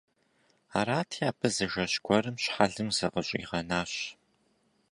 Арати, абы зы жэщ гуэрым щхьэлым зыкъыщӀигъэнащ.